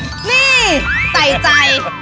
นี่ใส่ใจ